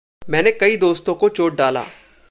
मैंने कई दोस्तों को चोद डाला।